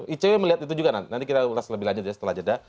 icw melihat itu juga nanti kita ulas lebih lanjut ya setelah jeda